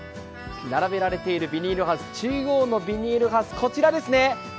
並べられているビニールハウス、中央のビニールハウス、こちらです。